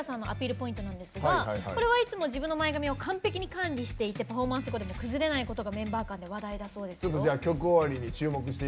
ポイントなんですがこれはいつも自分の前髪を完璧にセットしていてパフォーマンス後でも崩れないのがメンバー間でも話題だそうですよ。